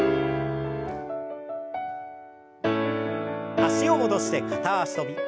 脚を戻して片脚跳び。